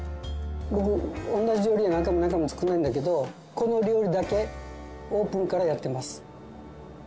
僕同じ料理を何回も何回も作らないんだけどこの料理だけオープンからやってます。